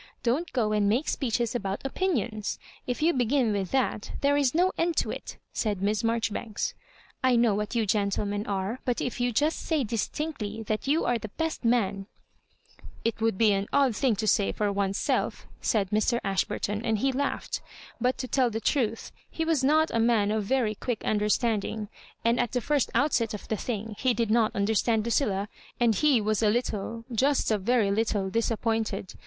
Don't go and make speeches about opinions. If you begin with that, there is no end to it^" said Miss Marjoribanks. " I know what you gentlemen are. But if you just say distinctly that you are the best man—" ^ It would be an odd thing to say for one's self," said Mr. Ashburton, and he lai^hed ; but» to tell the truth, he was not a man of very quidc understanding, and at the first outset of the thing he did not understand Lucilla; and he was a little— just a very littler disappointed.